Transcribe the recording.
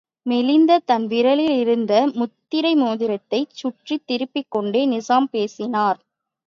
மெலிந்த தன் விரலில் இருந்த முத்திரை மோதிரத்தைச் சுற்றித் திருப்பிக்கொண்டே நிசாம் பேசினார்.